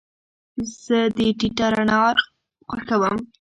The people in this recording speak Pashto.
زه د ټیټه رڼا آرام خوښوم.